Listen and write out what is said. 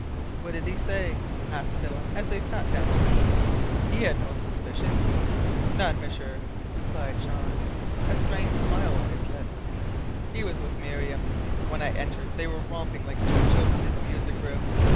"What did he say?" asked Philip, as they sat down to eat. "He had no suspicions?" "None, M'sieur," replied Jean, a strange smile on his lips. "He was with Miriam. When I entered they were romping like two children in the music room.